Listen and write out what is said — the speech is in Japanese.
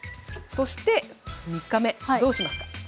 そして３日目どうしますか？